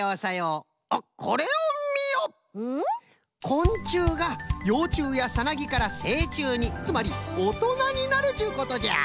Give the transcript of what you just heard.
こんちゅうがようちゅうやサナギからせいちゅうにつまりおとなになるっちゅうことじゃ。